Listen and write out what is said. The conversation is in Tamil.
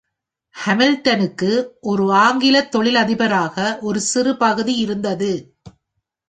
ஹாமில்டனுக்கு ஒரு ஆங்கிலத் தொழிலதிபராக, ஒரு சிறு பகுதி இருந்தது.